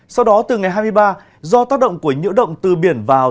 sau đó từ ngày hai mươi ba do tác động của nhiễu động từ biển vào